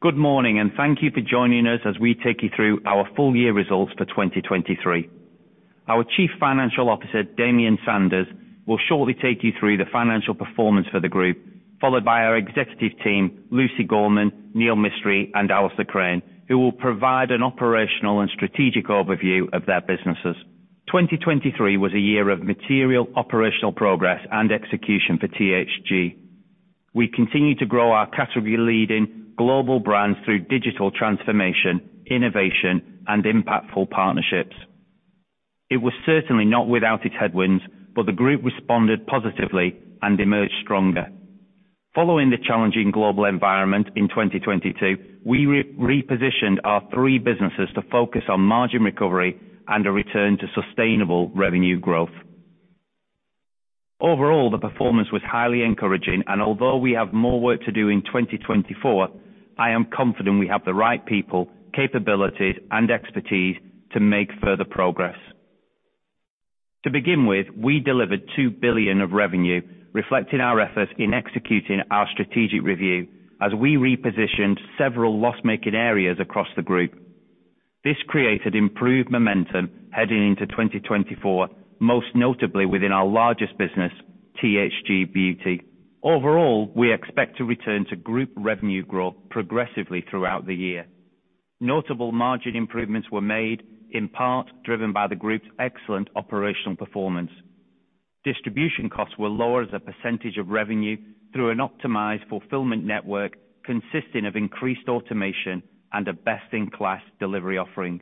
Good morning, and thank you for joining us as we take you through our full-year results for 2023. Our Chief Financial Officer, Damian Sanders, will shortly take you through the financial performance for the group, followed by our executive team, Lucy Gorman, Neil Mistry, and Alistair Crane, who will provide an operational and strategic overview of their businesses. 2023 was a year of material operational progress and execution for THG. We continue to grow our category-leading global brands through digital transformation, innovation, and impactful partnerships. It was certainly not without its headwinds, but the group responded positively and emerged stronger. Following the challenging global environment in 2022, we repositioned our three businesses to focus on margin recovery and a return to sustainable revenue growth. Overall, the performance was highly encouraging, and although we have more work to do in 2024, I am confident we have the right people, capabilities, and expertise to make further progress. To begin with, we delivered 2 billion of revenue, reflecting our efforts in executing our strategic review as we repositioned several loss-making areas across the group. This created improved momentum heading into 2024, most notably within our largest business, THG Beauty. Overall, we expect to return to group revenue growth progressively throughout the year. Notable margin improvements were made, in part driven by the group's excellent operational performance. Distribution costs were lower as a percentage of revenue through an optimized fulfillment network consisting of increased automation and a best-in-class delivery offering.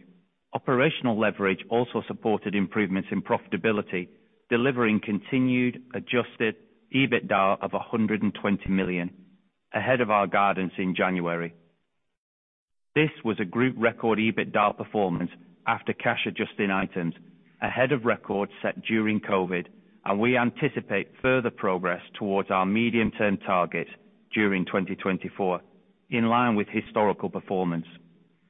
Operational leverage also supported improvements in profitability, delivering continued Adjusted EBITDA of 120 million ahead of our guidance in January. This was a group record EBITDA performance after cash-adjusting items, ahead-of-record set during COVID, and we anticipate further progress towards our medium-term targets during 2024 in line with historical performance.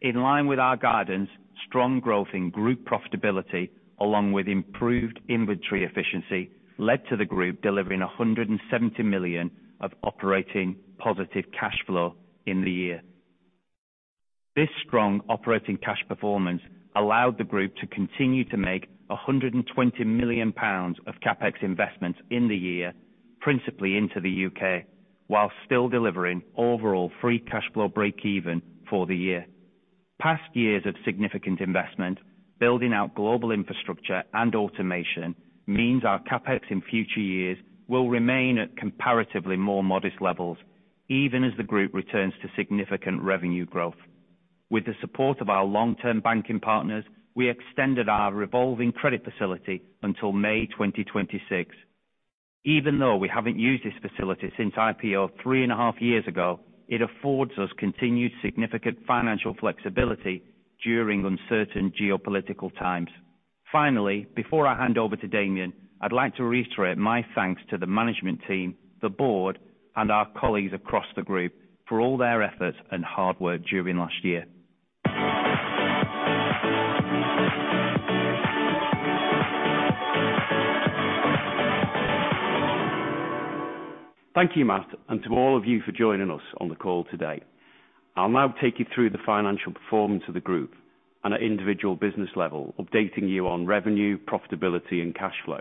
In line with our guidance, strong growth in group profitability, along with improved inventory efficiency, led to the group delivering 170 million of operating positive cash flow in the year. This strong operating cash performance allowed the group to continue to make 120 million pounds of CapEx investments in the year, principally into the U.K., while still delivering overall free cash flow break-even for the year. Past years of significant investment building out global infrastructure and automation means our CapEx in future years will remain at comparatively more modest levels, even as the group returns to significant revenue growth. With the support of our long-term banking partners, we extended our revolving credit facility until May 2026. Even though we haven't used this facility since IPO 3.5 years ago, it affords us continued significant financial flexibility during uncertain geopolitical times. Finally, before I hand over to Damian, I'd like to reiterate my thanks to the management team, the board, and our colleagues across the group for all their efforts and hard work during last year. Thank you, Matt, and to all of you for joining us on the call today. I'll now take you through the financial performance of the group and, at individual business level, updating you on revenue, profitability, and cash flow.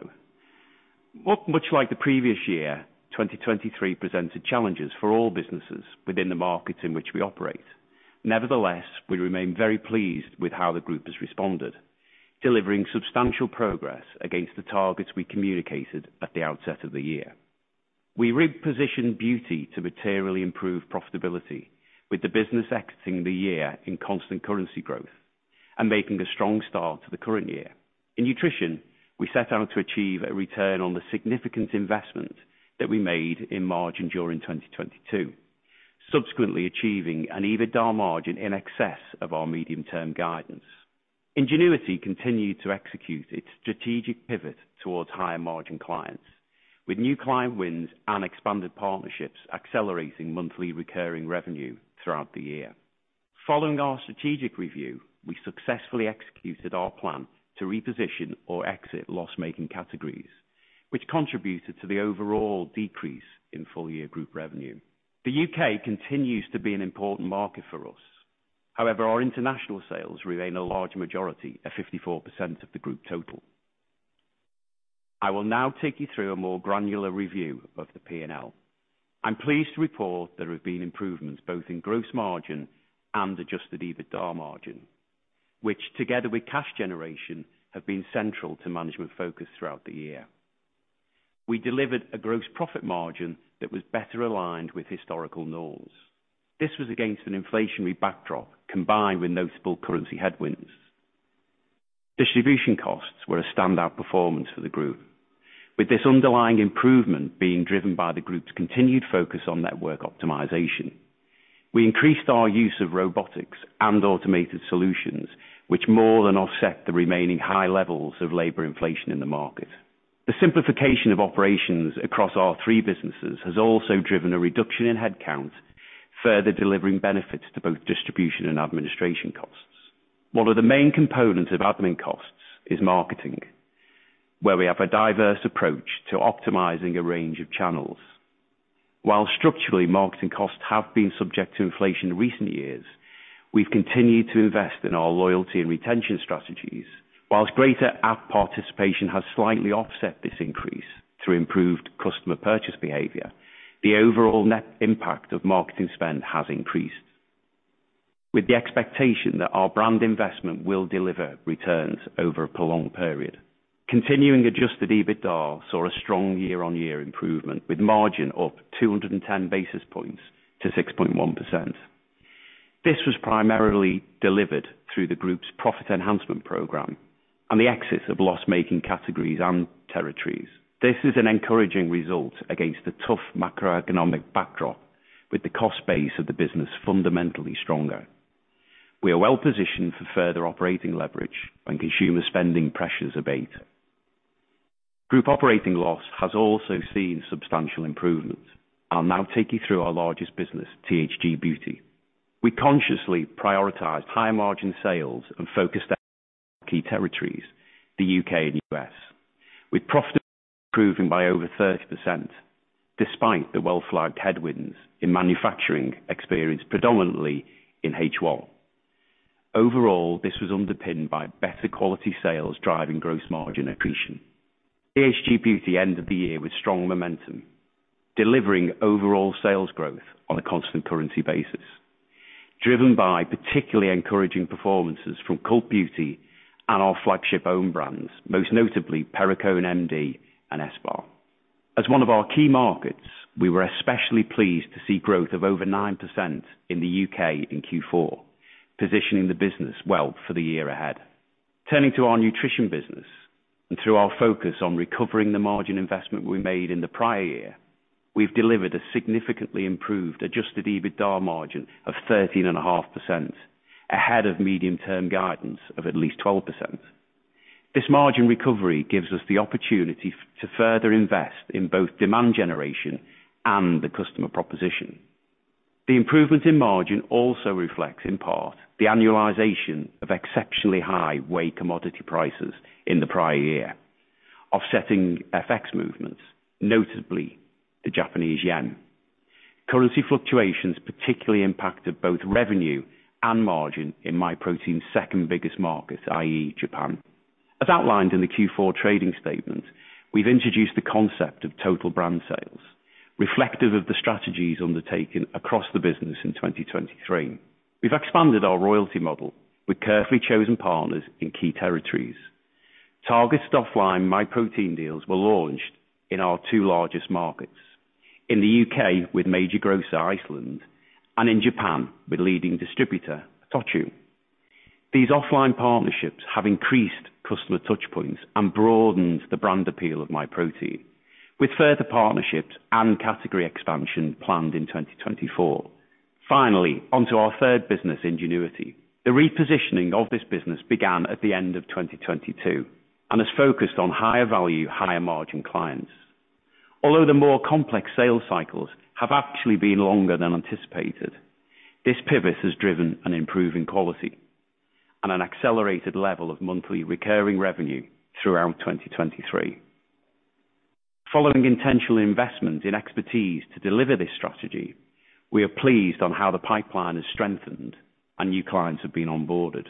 Much like the previous year, 2023 presented challenges for all businesses within the markets in which we operate. Nevertheless, we remain very pleased with how the group has responded, delivering substantial progress against the targets we communicated at the outset of the year. We repositioned Beauty to materially improve profitability, with the business exiting the year in constant currency growth and making a strong start to the current year. In nutrition, we set out to achieve a return on the significant investments that we made in margin during 2022, subsequently achieving an EBITDA margin in excess of our medium-term guidance. Ingenuity continued to execute its strategic pivot towards higher margin clients, with new client wins and expanded partnerships accelerating monthly recurring revenue throughout the year. Following our strategic review, we successfully executed our plan to reposition or exit loss-making categories, which contributed to the overall decrease in full-year group revenue. The U.K. continues to be an important market for us. However, our international sales remain a large majority, at 54% of the group total. I will now take you through a more granular review of the P&L. I'm pleased to report there have been improvements both in gross margin and adjusted EBITDA margin, which, together with cash generation, have been central to management focus throughout the year. We delivered a gross profit margin that was better aligned with historical norms. This was against an inflationary backdrop combined with notable currency headwinds. Distribution costs were a standout performance for the group, with this underlying improvement being driven by the group's continued focus on network optimization. We increased our use of robotics and automated solutions, which more than offset the remaining high levels of labor inflation in the market. The simplification of operations across our three businesses has also driven a reduction in headcount, further delivering benefits to both distribution and administration costs. One of the main components of admin costs is marketing, where we have a diverse approach to optimizing a range of channels. While structurally marketing costs have been subject to inflation in recent years, we've continued to invest in our loyalty and retention strategies. While greater app participation has slightly offset this increase through improved customer purchase behavior, the overall net impact of marketing spend has increased, with the expectation that our brand investment will deliver returns over a prolonged period. Continuing adjusted EBITDA saw a strong year-on-year improvement, with margin up 210 basis points to 6.1%. This was primarily delivered through the group's profit enhancement program and the exit of loss-making categories and territories. This is an encouraging result against the tough macroeconomic backdrop, with the cost base of the business fundamentally stronger. We are well positioned for further operating leverage when consumer spending pressures abate. Group operating loss has also seen substantial improvements. I'll now take you through our largest business, THG Beauty. We consciously prioritized higher margin sales and focused on key territories, the U.K. and U.S., with profitability improving by over 30% despite the well-flagged headwinds in manufacturing experience, predominantly in H1. Overall, this was underpinned by better quality sales driving gross margin accretion. THG Beauty ended the year with strong momentum, delivering overall sales growth on a constant currency basis, driven by particularly encouraging performances from Cult Beauty and our flagship owned brands, most notably Perricone MD and ESPA. As one of our key markets, we were especially pleased to see growth of over 9% in the U.K. in Q4, positioning the business well for the year ahead. Turning to our nutrition business and through our focus on recovering the margin investment we made in the prior year, we've delivered a significantly improved adjusted EBITDA margin of 13.5%, ahead of medium-term guidance of at least 12%. This margin recovery gives us the opportunity to further invest in both demand generation and the customer proposition. The improvement in margin also reflects, in part, the annualization of exceptionally high whey commodity prices in the prior year, offsetting FX movements, notably the Japanese yen. Currency fluctuations particularly impacted both revenue and margin in Myprotein's second biggest market, i.e., Japan. As outlined in the Q4 trading statement, we've introduced the concept of total brand sales, reflective of the strategies undertaken across the business in 2023. We've expanded our royalty model with carefully chosen partners in key territories. Targeted offline Myprotein deals were launched in our two largest markets, in the U.K. with major grocer Iceland and in Japan with leading distributor ITOCHU. These offline partnerships have increased customer touchpoints and broadened the brand appeal of Myprotein, with further partnerships and category expansion planned in 2024. Finally, onto our third business, Ingenuity. The repositioning of this business began at the end of 2022 and is focused on higher value, higher margin clients. Although the more complex sales cycles have actually been longer than anticipated, this pivot has driven an improving quality and an accelerated level of monthly recurring revenue throughout 2023. Following intentional investments in expertise to deliver this strategy, we are pleased on how the pipeline has strengthened and new clients have been onboarded,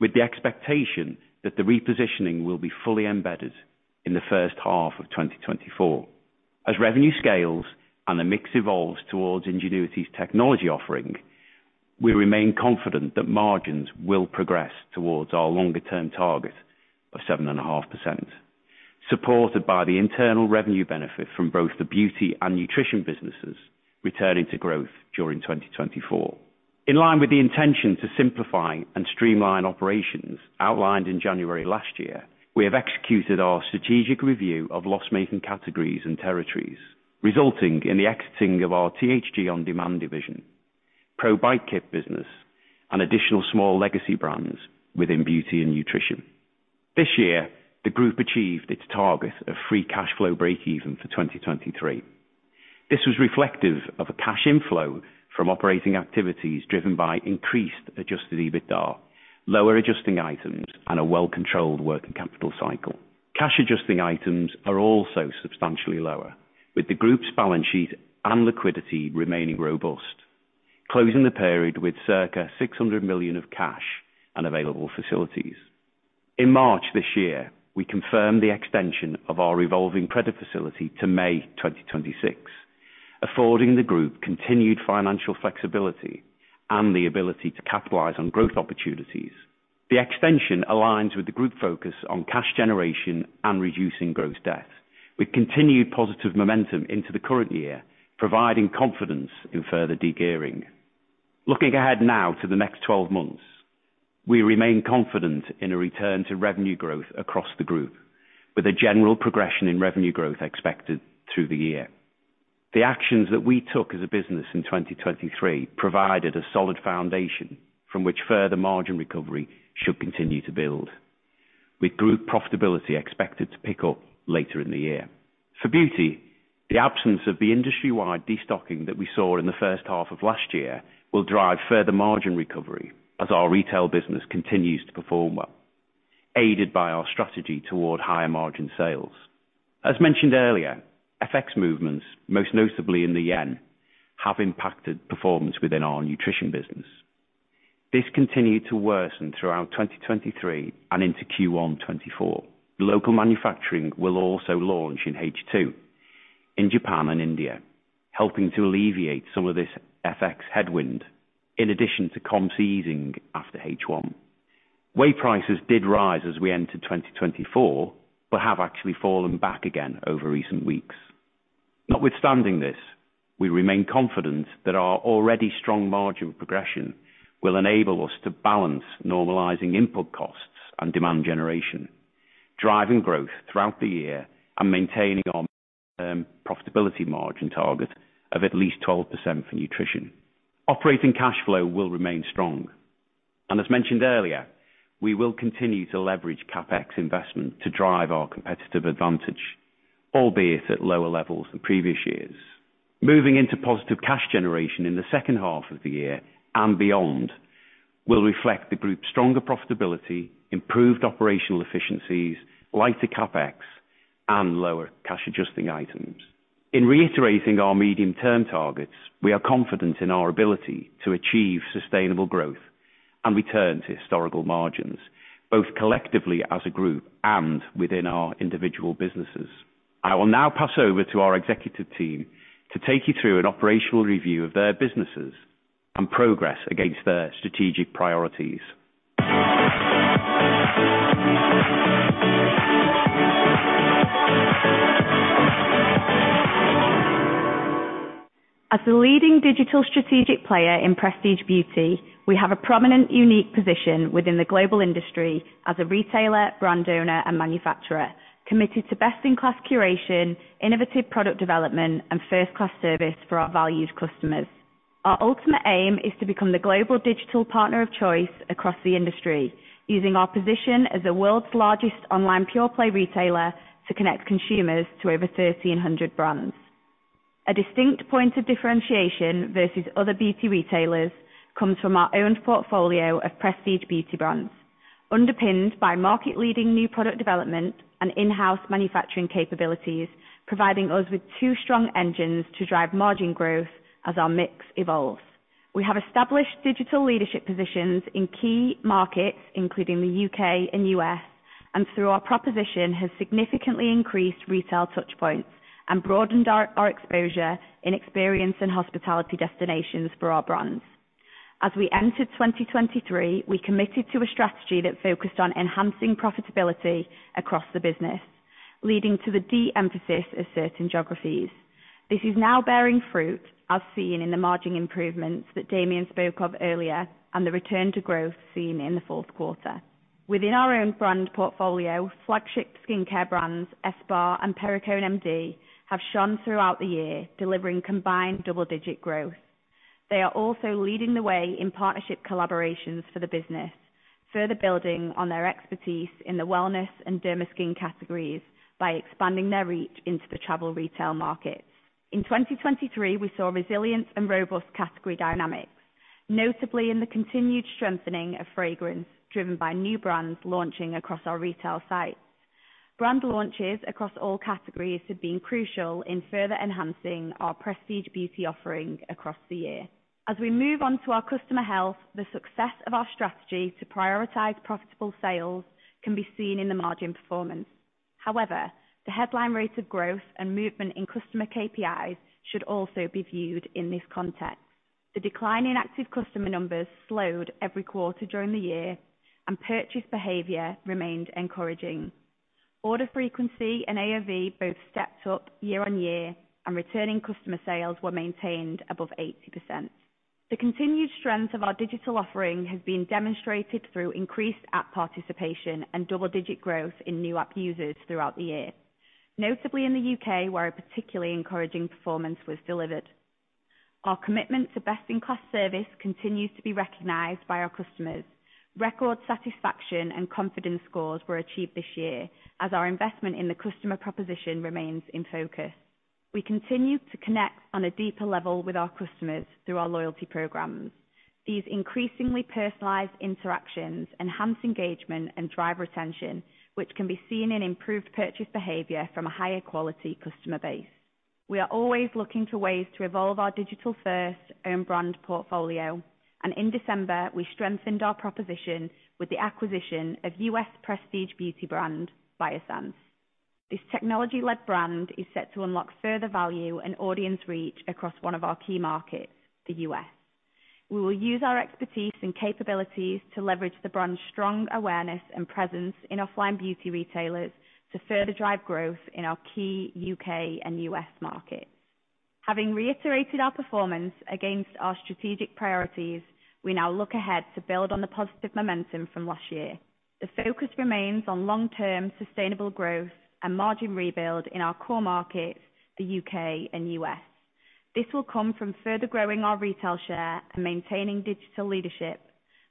with the expectation that the repositioning will be fully embedded in the first half of 2024. As revenue scales and the mix evolves toward Ingenuity's technology offering, we remain confident that margins will progress toward our longer-term target of 7.5%, supported by the internal revenue benefit from both the beauty and nutrition businesses returning to growth during 2024. In line with the intention to simplify and streamline operations outlined in January last year, we have executed our strategic review of loss-making categories and territories, resulting in the exiting of our THG OnDemand division, ProBikeKit business, and additional small legacy brands within beauty and nutrition. This year, the group achieved its target of free cash flow break-even for 2023. This was reflective of a cash inflow from operating activities driven by increased Adjusted EBITDA, lower adjusting items, and a well-controlled working capital cycle. Cash adjusting items are also substantially lower, with the group's balance sheet and liquidity remaining robust, closing the period with circa 600 million of cash and available facilities. In March this year, we confirmed the extension of our revolving credit facility to May 2026, affording the group continued financial flexibility and the ability to capitalize on growth opportunities. The extension aligns with the group focus on cash generation and reducing gross debt, with continued positive momentum into the current year, providing confidence in further degearing. Looking ahead now to the next 12 months, we remain confident in a return to revenue growth across the group, with a general progression in revenue growth expected through the year. The actions that we took as a business in 2023 provided a solid foundation from which further margin recovery should continue to build, with group profitability expected to pick up later in the year. For beauty, the absence of the industry-wide destocking that we saw in the first half of last year will drive further margin recovery as our retail business continues to perform well, aided by our strategy toward higher margin sales. As mentioned earlier, FX movements, most notably in the yen, have impacted performance within our nutrition business. This continued to worsen throughout 2023 and into Q1 2024. Local manufacturing will also launch in H2 in Japan and India, helping to alleviate some of this FX headwind in addition to comms easing after H1. Whey prices did rise as we entered 2024 but have actually fallen back again over recent weeks. Notwithstanding this, we remain confident that our already strong margin progression will enable us to balance normalizing input costs and demand generation, driving growth throughout the year and maintaining our mid-term profitability margin target of at least 12% for nutrition. Operating cash flow will remain strong, and as mentioned earlier, we will continue to leverage CapEx investment to drive our competitive advantage, albeit at lower levels than previous years. Moving into positive cash generation in the second half of the year and beyond will reflect the group's stronger profitability, improved operational efficiencies, lighter CapEx, and lower cash adjusting items. In reiterating our medium-term targets, we are confident in our ability to achieve sustainable growth and return to historical margins, both collectively as a group and within our individual businesses. I will now pass over to our executive team to take you through an operational review of their businesses and progress against their strategic priorities. As the leading digital strategic player in prestige beauty, we have a prominent, unique position within the global industry as a retailer, brand owner, and manufacturer committed to best-in-class curation, innovative product development, and first-class service for our valued customers. Our ultimate aim is to become the global digital partner of choice across the industry, using our position as the world's largest online pure-play retailer to connect consumers to over 1,300 brands. A distinct point of differentiation versus other beauty retailers comes from our owned portfolio of prestige beauty brands, underpinned by market-leading new product development and in-house manufacturing capabilities, providing us with two strong engines to drive margin growth as our mix evolves. We have established digital leadership positions in key markets, including the U.K. and U.S., and through our proposition have significantly increased retail touchpoints and broadened our exposure in experience and hospitality destinations for our brands. As we entered 2023, we committed to a strategy that focused on enhancing profitability across the business, leading to the de-emphasis of certain geographies. This is now bearing fruit, as seen in the margin improvements that Damian spoke of earlier and the return to growth seen in the fourth quarter. Within our own brand portfolio, flagship skincare brands ESPA and Perricone MD have shone throughout the year, delivering combined double-digit growth. They are also leading the way in partnership collaborations for the business, further building on their expertise in the wellness and dermis skin categories by expanding their reach into the travel retail markets. In 2023, we saw resilience and robust category dynamics, notably in the continued strengthening of fragrance driven by new brands launching across our retail sites. Brand launches across all categories have been crucial in further enhancing our prestige beauty offering across the year. As we move onto our customer health, the success of our strategy to prioritize profitable sales can be seen in the margin performance. However, the headline rate of growth and movement in customer KPIs should also be viewed in this context. The decline in active customer numbers slowed every quarter during the year, and purchase behavior remained encouraging. Order frequency and AOV both stepped up year-over-year, and returning customer sales were maintained above 80%. The continued strength of our digital offering has been demonstrated through increased app participation and double-digit growth in new app users throughout the year, notably in the U.K., where a particularly encouraging performance was delivered. Our commitment to best-in-class service continues to be recognized by our customers. Record satisfaction and confidence scores were achieved this year, as our investment in the customer proposition remains in focus. We continue to connect on a deeper level with our customers through our loyalty programs. These increasingly personalized interactions enhance engagement and drive retention, which can be seen in improved purchase behavior from a higher quality customer base. We are always looking for ways to evolve our digital-first owned brand portfolio, and in December, we strengthened our proposition with the acquisition of U.S. prestige beauty brand Biosense. This technology-led brand is set to unlock further value and audience reach across one of our key markets, the U.S. We will use our expertise and capabilities to leverage the brand's strong awareness and presence in offline beauty retailers to further drive growth in our key U.K. and U.S. markets. Having reiterated our performance against our strategic priorities, we now look ahead to build on the positive momentum from last year. The focus remains on long-term sustainable growth and margin rebuild in our core markets, the U.K. and U.S. This will come from further growing our retail share and maintaining digital leadership,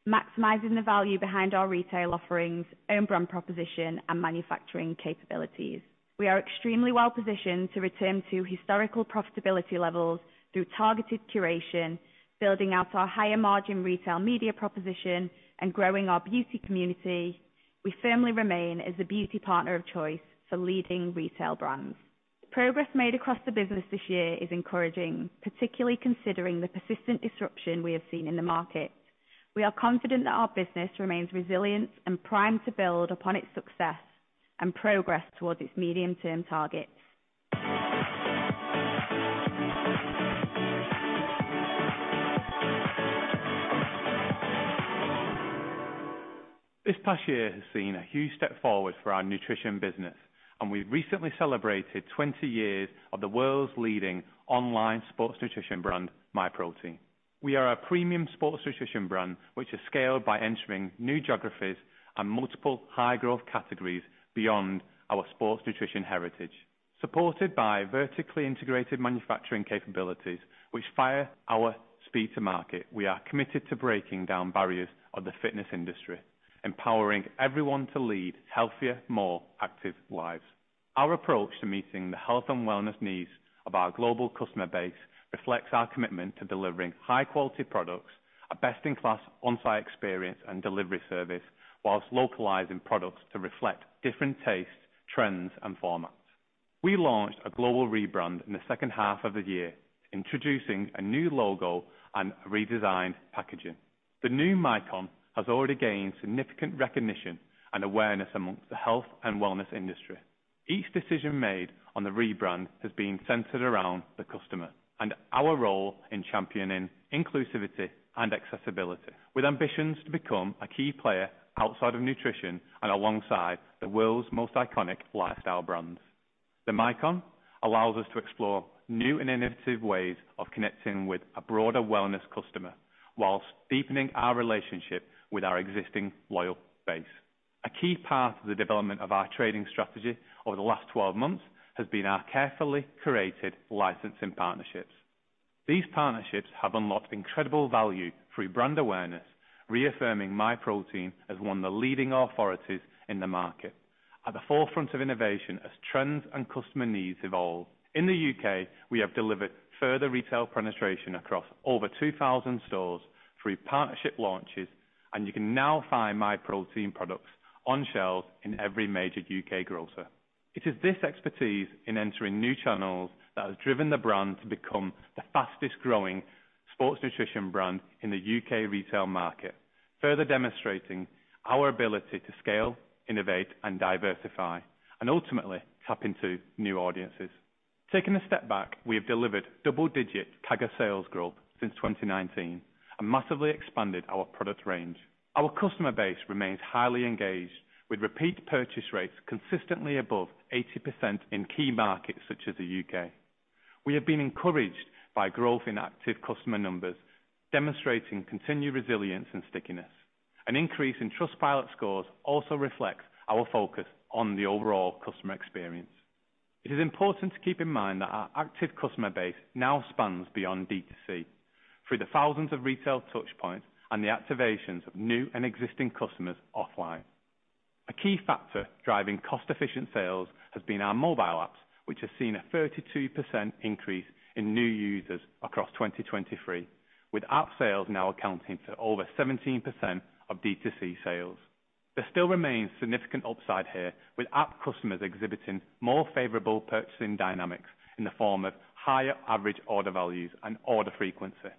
maximizing the value behind our retail offerings, owned brand proposition, and manufacturing capabilities. We are extremely well-positioned to return to historical profitability levels through targeted curation, building out our higher margin retail media proposition, and growing our beauty community. We firmly remain as the beauty partner of choice for leading retail brands. Progress made across the business this year is encouraging, particularly considering the persistent disruption we have seen in the market. We are confident that our business remains resilient and primed to build upon its success and progress towards its medium-term targets. This past year has seen a huge step forward for our nutrition business, and we've recently celebrated 20 years of the world's leading online sports nutrition brand, Myprotein. We are a premium sports nutrition brand, which is scaled by entering new geographies and multiple high-growth categories beyond our sports nutrition heritage. Supported by vertically integrated manufacturing capabilities, which fire our speed to market, we are committed to breaking down barriers of the fitness industry, empowering everyone to lead healthier, more active lives. Our approach to meeting the health and wellness needs of our global customer base reflects our commitment to delivering high-quality products, a best-in-class on-site experience, and delivery service, while localising products to reflect different tastes, trends, and formats. We launched a global rebrand in the second half of the year, introducing a new logo and redesigned packaging. The new Myprotein has already gained significant recognition and awareness among the health and wellness industry. Each decision made on the rebrand has been centered around the customer and our role in championing inclusivity and accessibility, with ambitions to become a key player outside of nutrition and alongside the world's most iconic lifestyle brands. The Myprotein allows us to explore new and innovative ways of connecting with a broader wellness customer while deepening our relationship with our existing loyal base. A key part of the development of our trading strategy over the last 12 months has been our carefully curated licensing partnerships. These partnerships have unlocked incredible value through brand awareness, reaffirming Myprotein as one of the leading authorities in the market, at the forefront of innovation as trends and customer needs evolve. In the U.K., we have delivered further retail penetration across over 2,000 stores through partnership launches, and you can now find Myprotein products on shelves in every major U.K. grocer. It is this expertise in entering new channels that has driven the brand to become the fastest-growing sports nutrition brand in the U.K. retail market, further demonstrating our ability to scale, innovate, and diversify, and ultimately tap into new audiences. Taking a step back, we have delivered double-digit CAGR sales growth since 2019 and massively expanded our product range. Our customer base remains highly engaged, with repeat purchase rates consistently above 80% in key markets such as the U.K.. We have been encouraged by growth in active customer numbers, demonstrating continued resilience and stickiness. An increase in Trustpilot scores also reflects our focus on the overall customer experience. It is important to keep in mind that our active customer base now spans beyond D2C, through the thousands of retail touchpoints and the activations of new and existing customers offline. A key factor driving cost-efficient sales has been our mobile apps, which have seen a 32% increase in new users across 2023, with app sales now accounting for over 17% of D2C sales. There still remains significant upside here, with app customers exhibiting more favorable purchasing dynamics in the form of higher average order values and order frequency.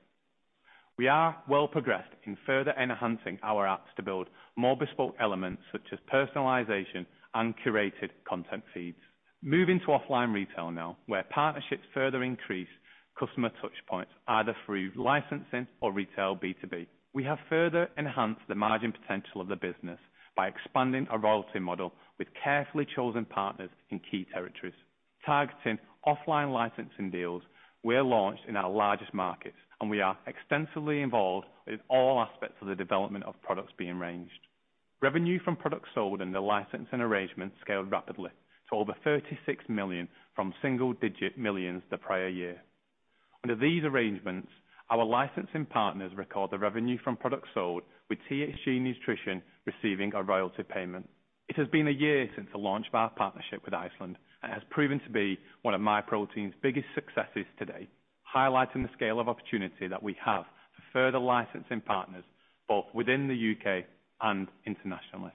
We are well-progressed in further enhancing our apps to build more bespoke elements such as personalization and curated content feeds. Moving to offline retail now, where partnerships further increase customer touchpoints either through licensing or retail B2B, we have further enhanced the margin potential of the business by expanding our royalty model with carefully chosen partners in key territories. Targeting offline licensing deals, we are launched in our largest markets, and we are extensively involved in all aspects of the development of products being ranged. Revenue from products sold under licensing arrangements scaled rapidly to over 36 million from single-digit millions the prior year. Under these arrangements, our licensing partners record the revenue from products sold with THG Nutrition receiving a royalty payment. It has been a year since the launch of our partnership with Iceland, and it has proven to be one of Myprotein's biggest successes today, highlighting the scale of opportunity that we have for further licensing partners, both within the U.K. and internationally.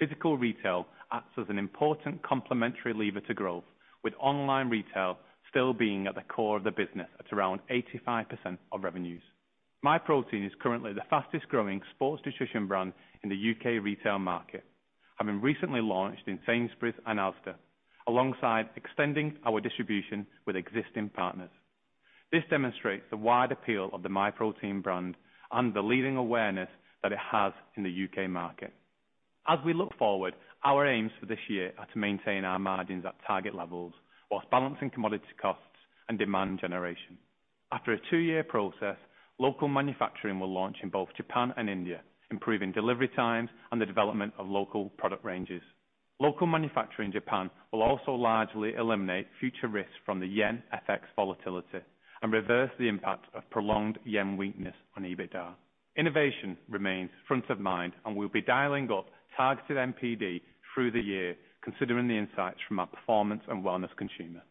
Physical retail acts as an important complementary lever to growth, with online retail still being at the core of the business at around 85% of revenues. Myprotein is currently the fastest-growing sports nutrition brand in the U.K. retail market, having recently launched in Sainsbury's and Asda, alongside extending our distribution with existing partners. This demonstrates the wide appeal of the Myprotein brand and the leading awareness that it has in the U.K. market. As we look forward, our aims for this year are to maintain our margins at target levels while balancing commodity costs and demand generation. After a two-year process, local manufacturing will launch in both Japan and India, improving delivery times and the development of local product ranges. Local manufacturing in Japan will also largely eliminate future risks from the yen FX volatility and reverse the impact of prolonged yen weakness on EBITDA. Innovation remains front of mind, and we'll be dialing up targeted NPD through the year, considering the insights from our performance and wellness consumer.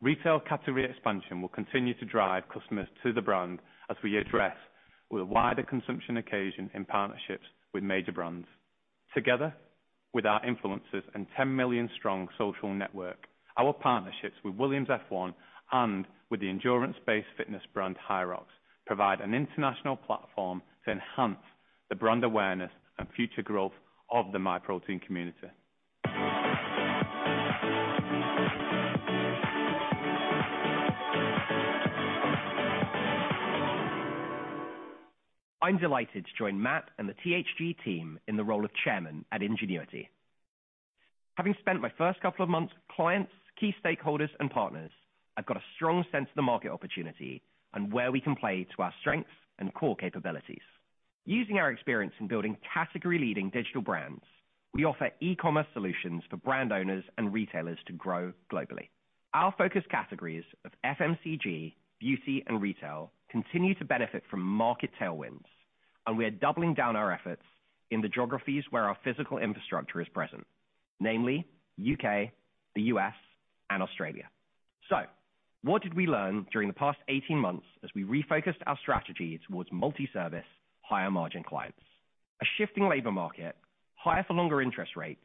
Retail category expansion will continue to drive customers to the brand as we address with a wider consumption occasion in partnerships with major brands. Together, with our influences and 10 million strong social network, our partnerships with Williams F1 and with the endurance-based fitness brand HYROX provide an international platform to enhance the brand awareness and future growth of the Myprotein community. I'm delighted to join Matt and the THG team in the role of chairman at Ingenuity. Having spent my first couple of months with clients, key stakeholders, and partners, I've got a strong sense of the market opportunity and where we can play to our strengths and core capabilities. Using our experience in building category-leading digital brands, we offer e-commerce solutions for brand owners and retailers to grow globally. Our focus categories of FMCG, beauty, and retail continue to benefit from market tailwinds, and we are doubling down our efforts in the geographies where our physical infrastructure is present, namely U.K., the U.S., and Australia. So what did we learn during the past 18 months as we refocused our strategy towards multi-service, higher margin clients? A shifting labor market, higher-for-longer interest rates,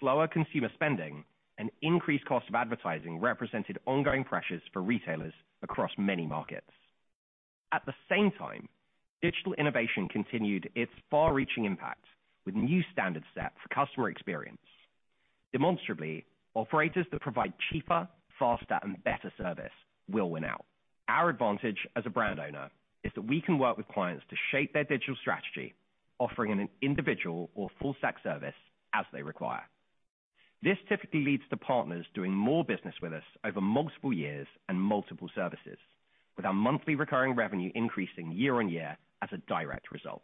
slower consumer spending, and increased cost of advertising represented ongoing pressures for retailers across many markets. At the same time, digital innovation continued its far-reaching impact with new standards set for customer experience. Demonstrably, operators that provide cheaper, faster, and better service will win out. Our advantage as a brand owner is that we can work with clients to shape their digital strategy, offering an individual or full-stack service as they require. This typically leads to partners doing more business with us over multiple years and multiple services, with our monthly recurring revenue increasing year on year as a direct result.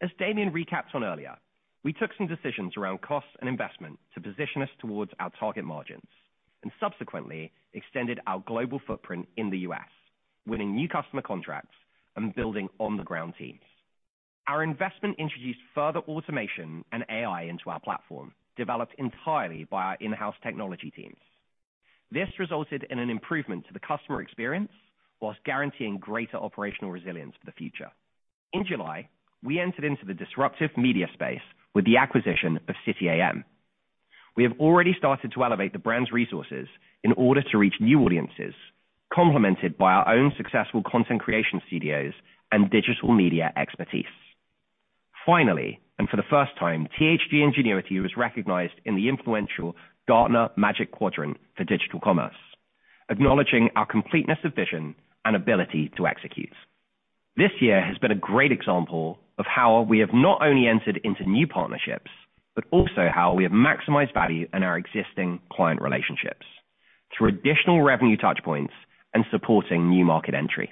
As Damian recapped on earlier, we took some decisions around costs and investment to position us towards our target margins and subsequently extended our global footprint in the U.S., winning new customer contracts and building on-the-ground teams. Our investment introduced further automation and AI into our platform, developed entirely by our in-house technology teams. This resulted in an improvement to the customer experience while guaranteeing greater operational resilience for the future. In July, we entered into the disruptive media space with the acquisition of City A.M. We have already started to elevate the brand's resources in order to reach new audiences, complemented by our own successful content creation studios and digital media expertise. Finally, and for the first time, THG Ingenuity was recognized in the influential Gartner Magic Quadrant for digital commerce, acknowledging our completeness of vision and ability to execute. This year has been a great example of how we have not only entered into new partnerships but also how we have maximized value in our existing client relationships through additional revenue touchpoints and supporting new market entry.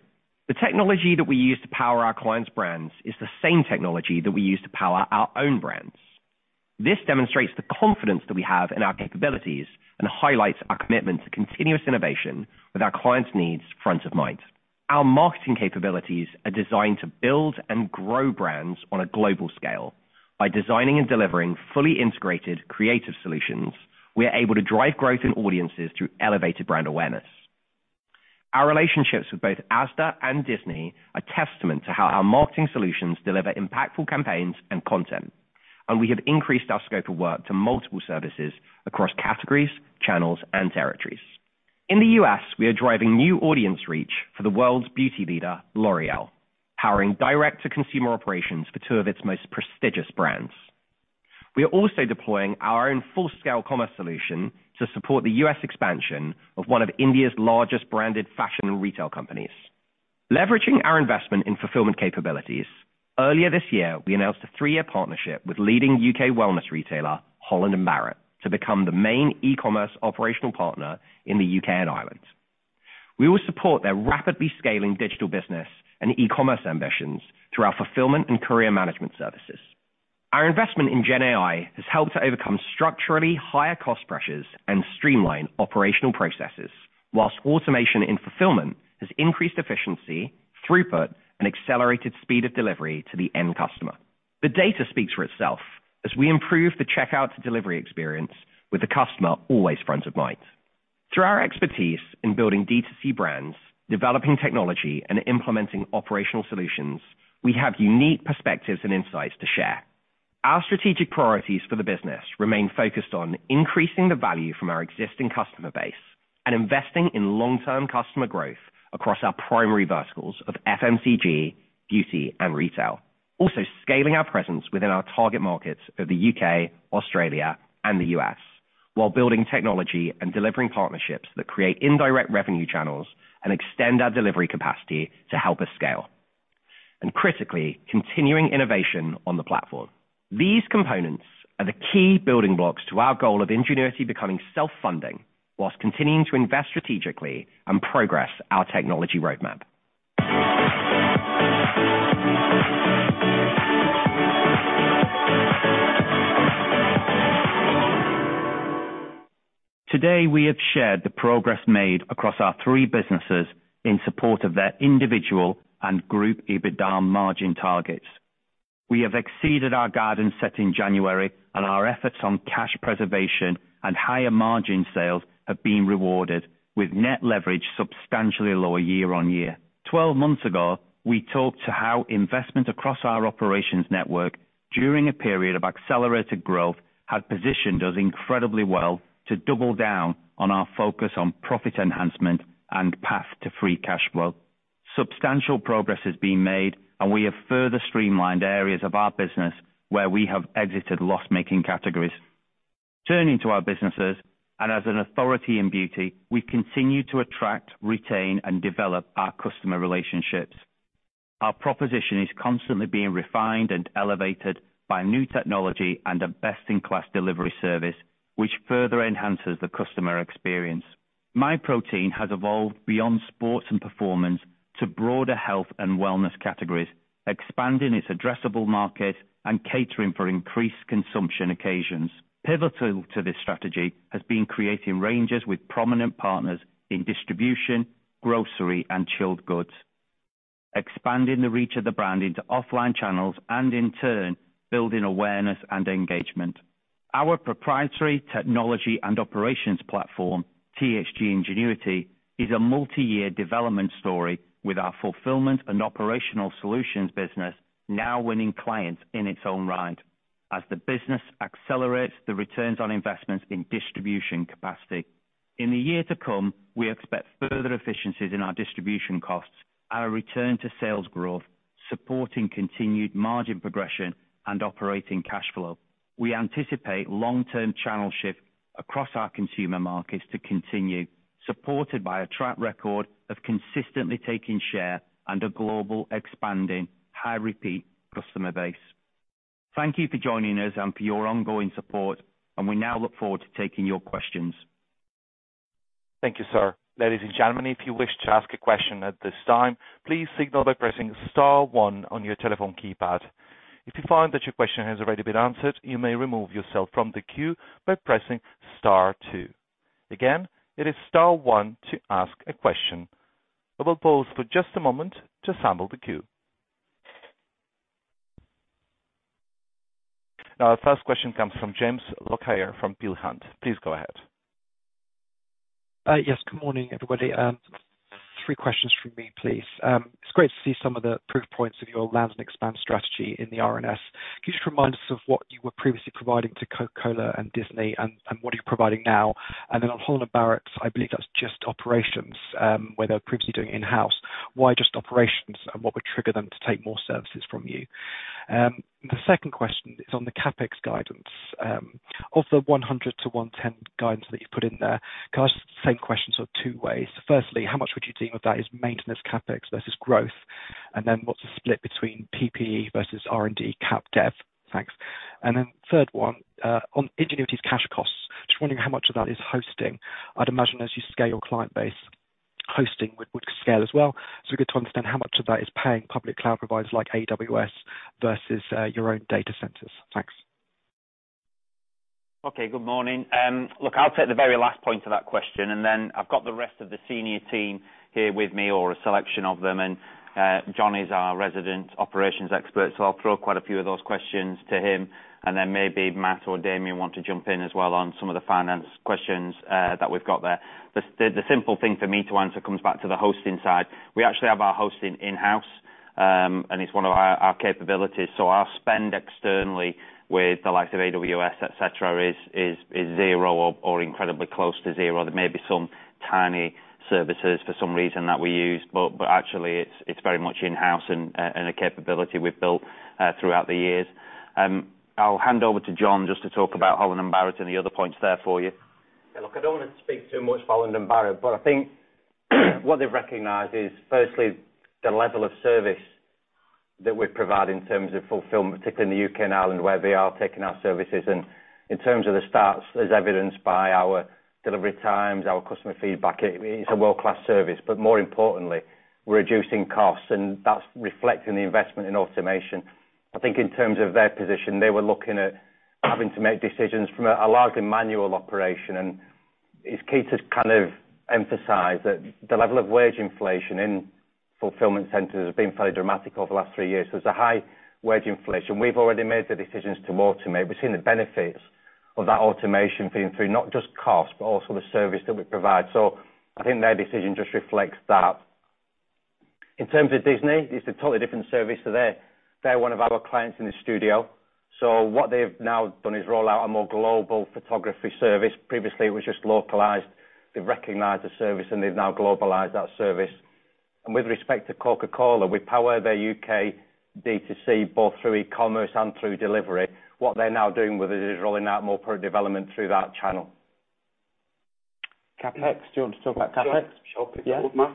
The technology that we use to power our clients' brands is the same technology that we use to power our own brands. This demonstrates the confidence that we have in our capabilities and highlights our commitment to continuous innovation with our clients' needs front of mind. Our marketing capabilities are designed to build and grow brands on a global scale. By designing and delivering fully integrated creative solutions, we are able to drive growth in audiences through elevated brand awareness. Our relationships with both Asda and Disney are a testament to how our marketing solutions deliver impactful campaigns and content, and we have increased our scope of work to multiple services across categories, channels, and territories. In the U.S., we are driving new audience reach for the world's beauty leader, L'Oréal, powering direct-to-consumer operations for two of its most prestigious brands. We are also deploying our own full-scale commerce solution to support the U.S. expansion of one of India's largest branded fashion and retail companies. Leveraging our investment in fulfillment capabilities, earlier this year we announced a three-year partnership with leading U.K. wellness retailer, Holland & Barrett, to become the main e-commerce operational partner in the U.K. and Ireland. We will support their rapidly scaling digital business and e-commerce ambitions through our fulfillment and carrier management services. Our investment in GenAI has helped to overcome structurally higher cost pressures and streamline operational processes, while automation in fulfillment has increased efficiency, throughput, and accelerated speed of delivery to the end customer. The data speaks for itself as we improve the checkout-to-delivery experience with the customer always front of mind. Through our expertise in building D2C brands, developing technology, and implementing operational solutions, we have unique perspectives and insights to share. Our strategic priorities for the business remain focused on increasing the value from our existing customer base and investing in long-term customer growth across our primary verticals of FMCG, beauty, and retail, also scaling our presence within our target markets of the U.K., Australia, and the U.S. while building technology and delivering partnerships that create indirect revenue channels and extend our delivery capacity to help us scale, and critically, continuing innovation on the platform. These components are the key building blocks to our goal of Ingenuity becoming self-funding whilst continuing to invest strategically and progress our technology roadmap. Today we have shared the progress made across our three businesses in support of their individual and group EBITDA margin targets. We have exceeded our guidance set in January, and our efforts on cash preservation and higher margin sales have been rewarded with net leverage substantially lower year-on-year. 12 months ago, we talked to how investment across our operations network during a period of accelerated growth had positioned us incredibly well to double down on our focus on profit enhancement and path to free cash flow. Substantial progress has been made, and we have further streamlined areas of our business where we have exited loss-making categories. Turning to our businesses and as an authority in beauty, we've continued to attract, retain, and develop our customer relationships. Our proposition is constantly being refined and elevated by new technology and a best-in-class delivery service, which further enhances the customer experience. Myprotein has evolved beyond sports and performance to broader health and wellness categories, expanding its addressable markets and catering for increased consumption occasions. Pivotal to this strategy has been creating ranges with prominent partners in distribution, grocery, and chilled goods, expanding the reach of the brand into offline channels and, in turn, building awareness and engagement. Our proprietary technology and operations platform, THG Ingenuity, is a multi-year development story with our fulfilment and operational solutions business now winning clients in its own right as the business accelerates the returns on investments in distribution capacity. In the year to come, we expect further efficiencies in our distribution costs and a return to sales growth, supporting continued margin progression and operating cash flow. We anticipate long-term channel shift across our consumer markets to continue, supported by a track record of consistently taking share and a global expanding high-repeat customer base. Thank you for joining us and for your ongoing support, and we now look forward to taking your questions. Thank you, sir. Ladies and gentlemen, if you wish to ask a question at this time, please signal by pressing star one on your telephone keypad. If you find that your question has already been answered, you may remove yourself from the queue by pressing star two. Again, it is star one to ask a question. I will pause for just a moment to assemble the queue. Now, our first question comes from James Lockyer from Peel Hunt. Please go ahead. Yes. Good morning, everybody. Three questions from me, please. It's great to see some of the proof points of your land and expand strategy in the R&S. Could you just remind us of what you were previously providing to Coca-Cola and Disney and, and what are you providing now? And then on Holland & Barrett, I believe that's just operations, where they were previously doing in-house. Why just operations and what would trigger them to take more services from you? The second question is on the CapEx guidance. Of the 100- 110 guidance that you've put in there, can I ask the same question sort of two ways? Firstly, how much would you deem of that is maintenance CapEx versus growth? And then what's the split between PPE versus R&D Cap-Dev? Thanks. And then third one, on Ingenuity's cash costs, just wondering how much of that is hosting. I'd imagine as you scale your client base, hosting would scale as well. So we're good to understand how much of that is paying public cloud providers like AWS versus your own data centers. Thanks. Okay. Good morning. Look, I'll take the very last point of that question, and then I've got the rest of the senior team here with me, or a selection of them. And John is our resident operations expert, so I'll throw quite a few of those questions to him. And then maybe Matt or Damian want to jump in as well on some of the finance questions that we've got there. The simple thing for me to answer comes back to the hosting side. We actually have our hosting in-house, and it's one of our capabilities. So our spend externally with the likes of AWS, etc., is zero or incredibly close to zero. There may be some tiny services for some reason that we use, but actually, it's very much in-house and a capability we've built throughout the years. I'll hand over to John just to talk about Holland & Barrett and the other points there for you. Yeah. Look, I don't want to speak too much about Holland & Barrett, but I think what they've recognized is, firstly, the level of service that we provide in terms of fulfillment, particularly in the U.K. and Ireland where we are taking our services. And in terms of the stats, as evidenced by our delivery times, our customer feedback, it, it's a world-class service. But more importantly, we're reducing costs, and that's reflecting the investment in automation. I think in terms of their position, they were looking at having to make decisions from a largely manual operation. And it's key to kind of emphasize that the level of wage inflation in fulfillment centers has been fairly dramatic over the last three years. So there's a high wage inflation. We've already made the decisions to automate. We've seen the benefits of that automation feeding through, not just cost, but also the service that we provide. So I think their decision just reflects that. In terms of Disney, it's a totally different service to their. They're one of our clients in the studio. So what they've now done is roll out a more global photography service. Previously, it was just localized. They've recognized the service, and they've now globalized that service. And with respect to Coca-Cola, we power their U.K. D2C both through e-commerce and through delivery. What they're now doing with it is rolling out more product development through that channel. CapEx. Do you want to talk about CapEx? Yeah. Shot it. Yeah. Yeah. Matt?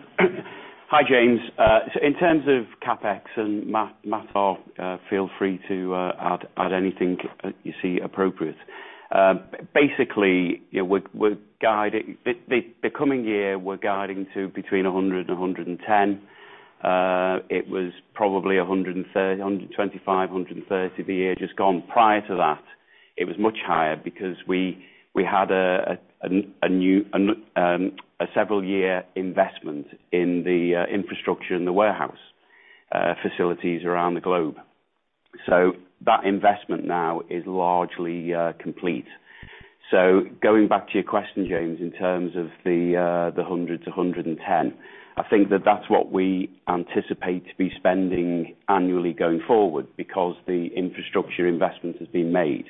Hi, James. So in terms of CapEx and Matt. Or, feel free to add anything you see appropriate. Basically, you know, we're guiding for the coming year, we're guiding to between 100 million- 110 million. It was probably 125 million-130 million the year just gone. Prior to that, it was much higher because we had a new and a several-year investment in the infrastructure and the warehouse facilities around the globe. So that investment now is largely complete. So going back to your question, James, in terms of the 100 million-110 million, I think that's what we anticipate to be spending annually going forward because the infrastructure investment has been made.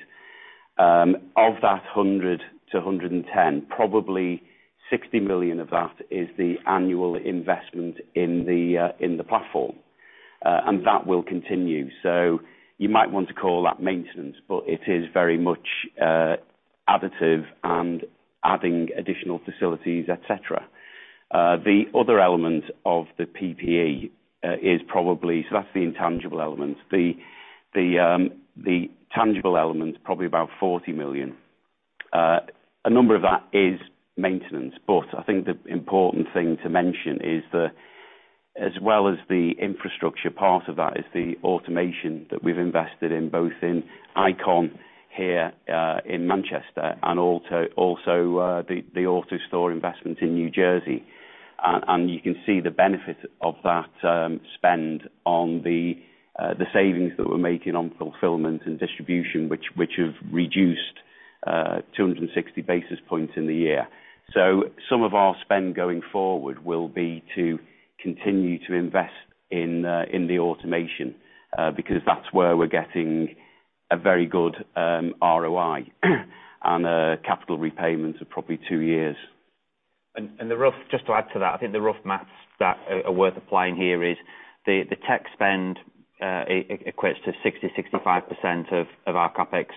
Of that 100 million-110 million, probably 60 million of that is the annual investment in the platform. And that will continue. So you might want to call that maintenance, but it is very much additive and adding additional facilities, etc. The other element of the PPE is probably so that's the intangible element. The tangible element's probably about 40 million. A number of that is maintenance, but I think the important thing to mention is that as well as the infrastructure part of that is the automation that we've invested in, both in ICON here in Manchester and also the AutoStore investment in New Jersey. And you can see the benefit of that spend on the savings that we're making on fulfillment and distribution, which have reduced 260 basis points in the year. Some of our spend going forward will be to continue to invest in the automation, because that's where we're getting a very good ROI and capital repayments of probably two years. I think the rough maths that are worth applying here is the tech spend equates to 60%-65% of our CapEx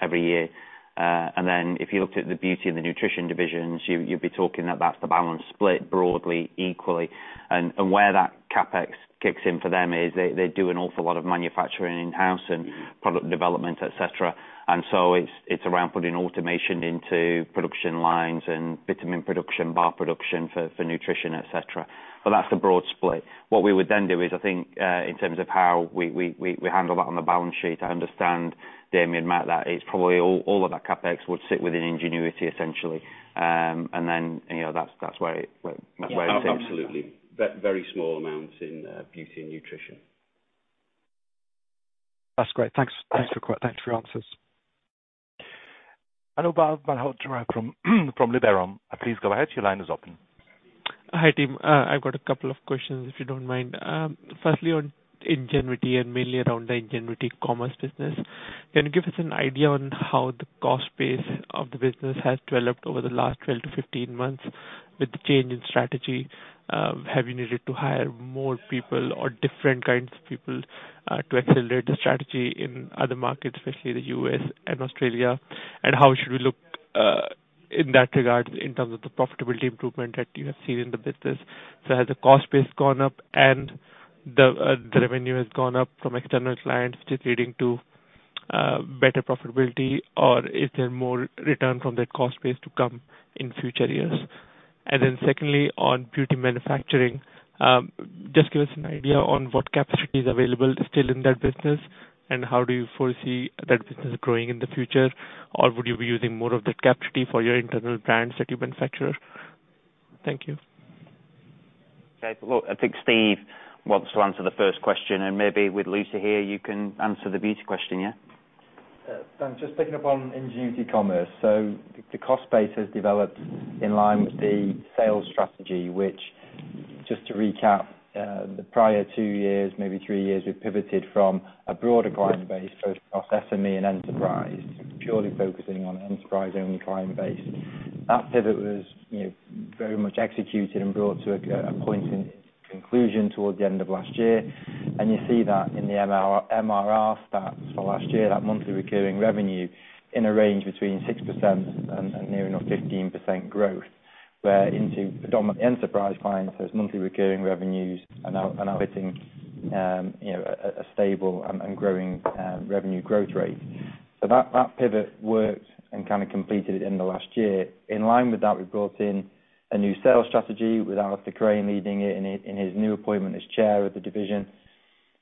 every year. Then if you looked at the beauty and the nutrition divisions, you'd be talking that that's the balanced split broadly, equally. And where that CapEx kicks in for them is they do an awful lot of manufacturing in-house and product development, etc. And so it's around putting automation into production lines and protein production, bar production for nutrition, etc. But that's the broad split. What we would then do is, I think, in terms of how we handle that on the balance sheet, I understand, Damian and Matt, that it's probably all of that CapEx would sit within Ingenuity, essentially. and then, you know, that's where it sits. Yeah. Absolutely. Very small amounts in beauty and nutrition. That's great. Thanks. Thanks for your answers. Anubhav Malhotra from Liberum. Please go ahead. Your line is open. Hi, Matt. I've got a couple of questions, if you don't mind. Firstly, on Ingenuity and mainly around the Ingenuity commerce business, can you give us an idea on how the cost base of the business has developed over the last 12-15 months with the change in strategy? Have you needed to hire more people or different kinds of people, to accelerate the strategy in other markets, especially the U.S. and Australia? And how should we look, in that regard in terms of the profitability improvement that you have seen in the business? So has the cost base gone up, and the, the revenue has gone up from external clients, which is leading to, better profitability, or is there more return from that cost base to come in future years? Secondly, on beauty manufacturing, just give us an idea on what capacity is available still in that business, and how do you foresee that business growing in the future, or would you be using more of that capacity for your internal brands that you manufacture? Thank you. Okay. Look, I think Steve wants to answer the first question, and maybe with Lucy here, you can answer the beauty question, yeah? Dan, just picking up on Ingenuity commerce. So the cost base has developed in line with the sales strategy, which just to recap, the prior two years, maybe three years, we pivoted from a broader client base, both across SME and enterprise, purely focusing on an enterprise-only client base. That pivot was, you know, very much executed and brought to a point in conclusion towards the end of last year. And you see that in the MRR stats for last year, that monthly recurring revenue, in a range between 6% and nearing a 15% growth, where into predominantly enterprise clients, there's monthly recurring revenues and out and out hitting, you know, a stable and growing revenue growth rate. So that pivot worked and kind of completed it in the last year. In line with that, we brought in a new sales strategy with Alistair Crane leading it in his new appointment as chair of the division,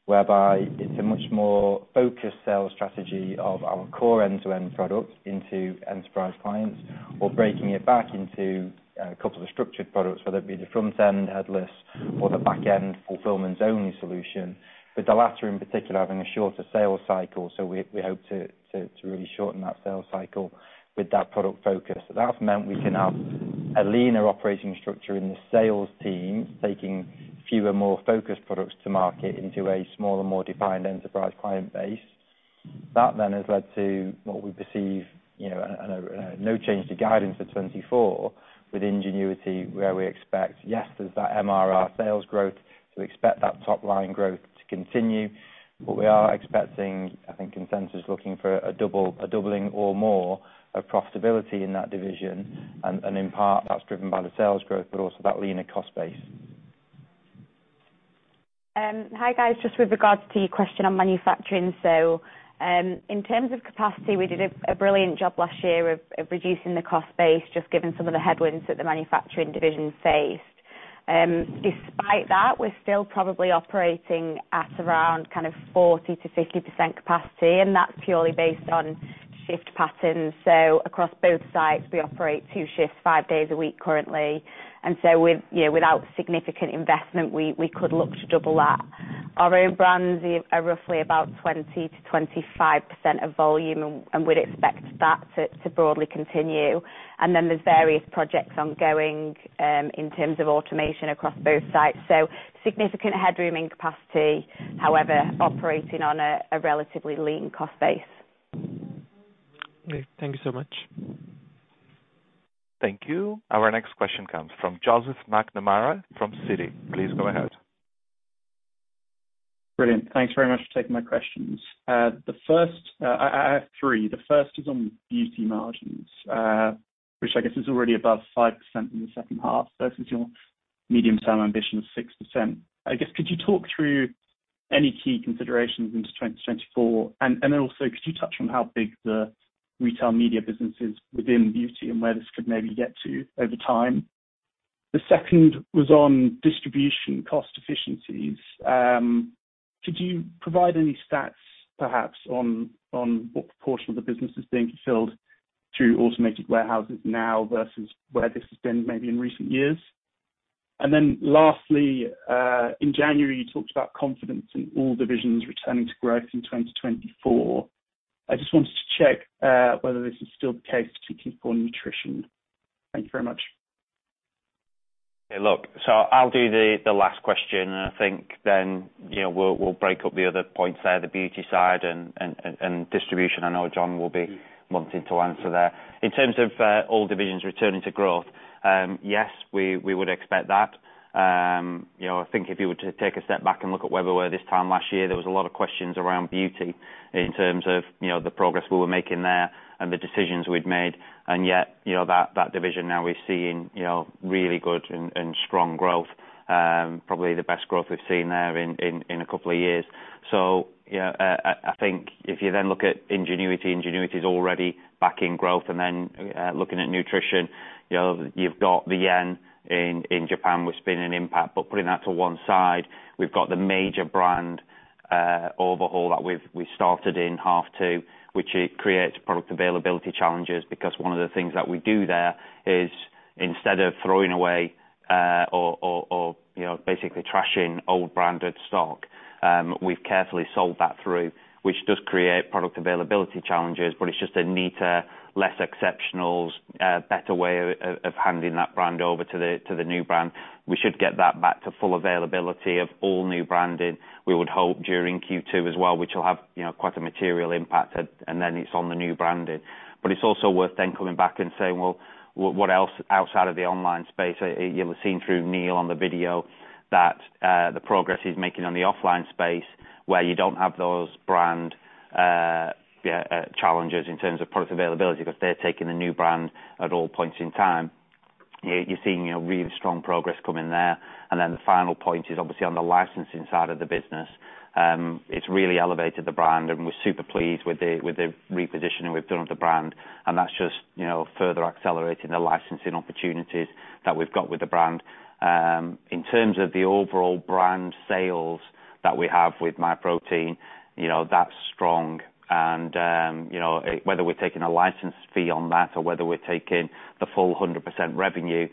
whereby it's a much more focused sales strategy of our core end-to-end product into enterprise clients or breaking it back into a couple of structured products, whether it be the front-end headless or the back-end fulfillments-only solution. But the latter in particular, having a shorter sales cycle. So we hope to really shorten that sales cycle with that product focus. So that's meant we can have a leaner operating structure in the sales teams taking fewer more focused products to market into a smaller, more defined enterprise client base. That then has led to what we perceive, you know, a no change to guidance for 2024 with Ingenuity, where we expect, yes, there's that MRR sales growth, so we expect that top-line growth to continue. But we are expecting, I think, consensus looking for a doubling or more of profitability in that division. And in part, that's driven by the sales growth, but also that leaner cost base. Hi, guys. Just with regards to your question on manufacturing, so, in terms of capacity, we did a brilliant job last year of reducing the cost base, just given some of the headwinds that the manufacturing division faced. Despite that, we're still probably operating at around kind of 40%-50% capacity, and that's purely based on shift patterns. So across both sites, we operate two shifts five days a week currently. And so with, you know, without significant investment, we could look to double that. Our own brands are roughly about 20%-25% of volume, and we'd expect that to broadly continue. And then there's various projects ongoing, in terms of automation across both sites. So significant headroom in capacity, however, operating on a relatively lean cost base. Yeah. Thank you so much. Thank you. Our next question comes from Joseph McNamara from Citi. Please go ahead. Brilliant. Thanks very much for taking my questions. The first, I have three. The first is on beauty margins, which I guess is already above 5% in the second half. So this is your medium-term ambition of 6%. I guess, could you talk through any key considerations into 2024? And then also, could you touch on how big the retail media business is within beauty and where this could maybe get to over time? The second was on distribution cost efficiencies. Could you provide any stats, perhaps, on what proportion of the business is being fulfilled through automated warehouses now versus where this has been maybe in recent years? And then lastly, in January, you talked about confidence in all divisions returning to growth in 2024. I just wanted to check whether this is still the case, particularly for nutrition. Thank you very much. Yeah. Look, so I'll do the last question, and I think then, you know, we'll break up the other points there, the beauty side and distribution. I know John will be wanting to answer there. In terms of all divisions returning to growth, yes, we would expect that. You know, I think if you were to take a step back and look at where we were this time last year, there was a lot of questions around beauty in terms of, you know, the progress we were making there and the decisions we'd made. And yet, you know, that division now is seeing, you know, really good and strong growth, probably the best growth we've seen there in a couple of years. So, you know, I think if you then look at Ingenuity, Ingenuity's already back in growth. And then, looking at nutrition, you know, you've got the yen in Japan with FX impact. But putting that to one side, we've got the major brand overhaul that we've started in half two, which creates product availability challenges because one of the things that we do there is instead of throwing away, or, you know, basically trashing old branded stock, we've carefully sold that through, which does create product availability challenges, but it's just a neater, less exceptional, better way of handing that brand over to the new brand. We should get that back to full availability of all new branding, we would hope, during Q2 as well, which will have, you know, quite a material impact, and then it's on the new branding. But it's also worth then coming back and saying, "Well, what else outside of the online space?" You'll have seen through Neil on the video that the progress he's making on the offline space, where you don't have those brand, yeah, challenges in terms of product availability because they're taking the new brand at all points in time. You're seeing, you know, really strong progress coming there. And then the final point is obviously on the licensing side of the business. It's really elevated the brand, and we're super pleased with the repositioning we've done of the brand. And that's just, you know, further accelerating the licensing opportunities that we've got with the brand. In terms of the overall brand sales that we have with Myprotein, you know, that's strong. You know, whether we're taking a license fee on that or whether we're taking the full 100% revenue, you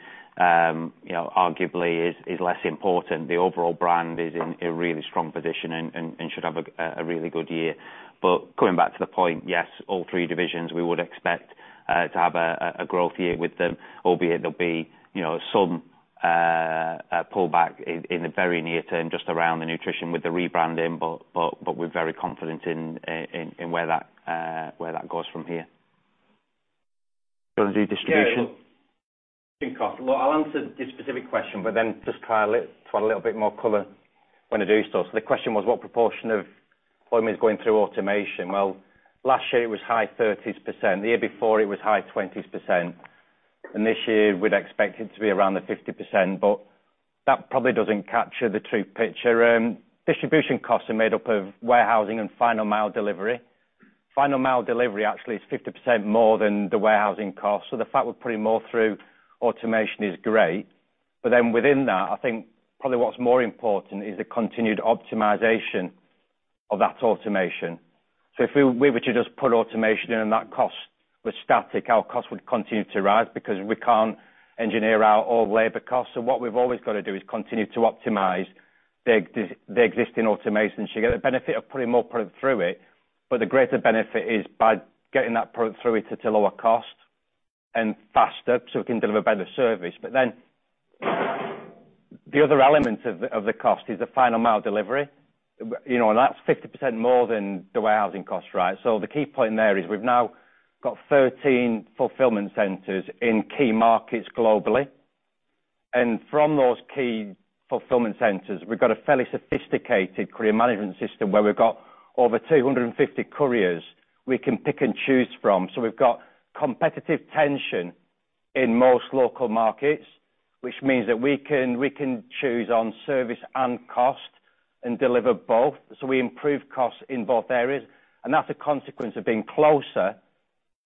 know, arguably is less important. The overall brand is in a really strong position and should have a really good year. But coming back to the point, yes, all three divisions, we would expect to have a growth year with them, albeit there'll be, you know, some pullback in the very near term just around the nutrition with the rebranding. But we're very confident in where that goes from here. You want to do distribution? Yeah. I think, Arthur, look, I'll answer this specific question, but then just try a little to add a little bit more color when I do so. So the question was, what proportion of employment is going through automation? Well, last year, it was high 30s%. The year before, it was high 20s%. And this year, we'd expect it to be around the 50%, but that probably doesn't capture the true picture. Distribution costs are made up of warehousing and final mile delivery. Final mile delivery, actually, is 50% more than the warehousing cost. So the fact we're putting more through automation is great. But then within that, I think probably what's more important is the continued optimization of that automation. So if we were to just put automation in and that cost was static, our cost would continue to rise because we can't engineer out all labor costs. What we've always got to do is continue to optimize the existing automation. You get the benefit of putting more product through it, but the greater benefit is by getting that product through it at a lower cost and faster, so we can deliver better service. But then the other element of the cost is the final mile delivery. You know, and that's 50% more than the warehousing cost, right? So the key point there is we've now got 13 fulfillment centers in key markets globally. From those key fulfillment centers, we've got a fairly sophisticated courier management system where we've got over 250 couriers we can pick and choose from. So we've got competitive tension in most local markets, which means that we can choose on service and cost and deliver both. So we improve costs in both areas. And that's a consequence of being closer to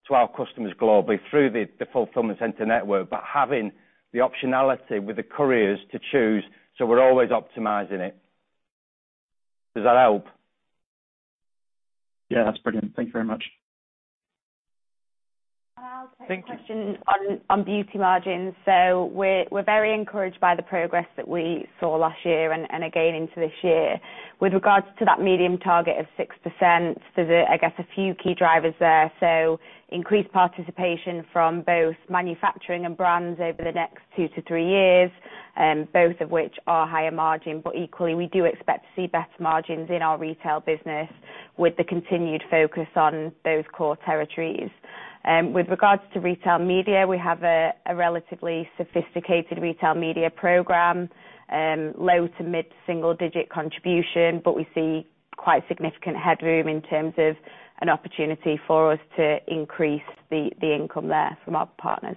our customers globally through the fulfillment center network, but having the optionality with the couriers to choose. So we're always optimizing it. Does that help? Yeah. That's brilliant. Thank you very much. I'll take a question on beauty margins. We're very encouraged by the progress that we saw last year and again into this year. With regards to that medium target of 6%, there's, I guess, a few key drivers there. Increased participation from both manufacturing and brands over the next two to three years, both of which are higher margin. But equally, we do expect to see better margins in our retail business with the continued focus on those core territories. With regards to retail media, we have a relatively sophisticated retail media program, low- to mid-single-digit contribution, but we see quite significant headroom in terms of an opportunity for us to increase the income there from our partners.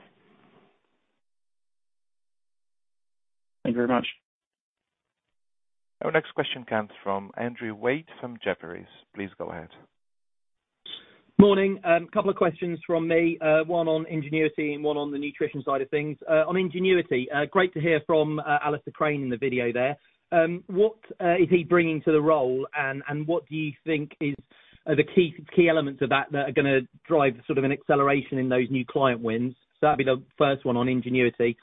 Thank you very much. Our next question comes from Andrew Wade from Jefferies. Please go ahead. Morning. Couple of questions from me, one on Ingenuity and one on the nutrition side of things. On Ingenuity, great to hear from Alistair Crane in the video there. What is he bringing to the role, and what do you think is the key elements of that that are going to drive sort of an acceleration in those new client wins? So that'd be the first one on Ingenuity.